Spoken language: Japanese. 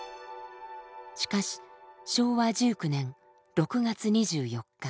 しかし昭和１９年６月２４日。